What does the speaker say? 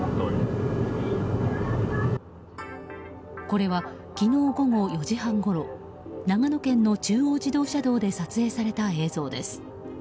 これは、昨日午後４時半ごろ長野県の中央自動車道で撮影された映像です。